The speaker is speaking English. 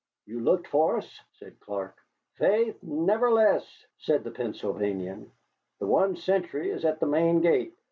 "You looked for us?" said Clark. "Faith, never less," said the Pennsylvanian. "The one sentry is at the main gate."